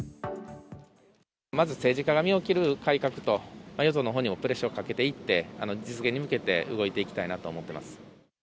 まず政治家が身を切る改革と、よそのほうにもプレッシャーをかけていって、実現に向けて動いていきたいなと思ってます。